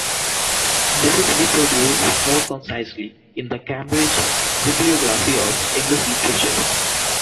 This is reproduced more concisely in the "Cambridge Bibliography of English Literature".